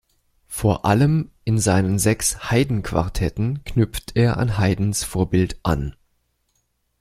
Vor allem in seinen sechs "Haydn-Quartetten" knüpft er an Haydns Vorbild an.